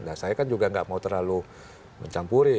nah saya kan juga nggak mau terlalu mencampuri